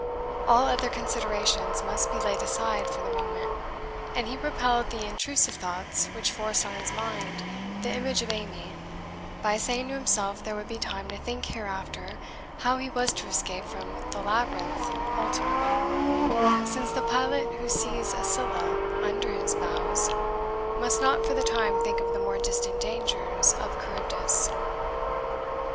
All other considerations must be laid aside for the moment, and he repelled the intrusive thoughts which forced on his mind the image of, Amy, by saying to himself there would be time to think hereafter how he was to escape from the labyrinth ultimately, since the pilot who sees a Scylla under his bows must not for the time think of the more distant dangers of Charybdis.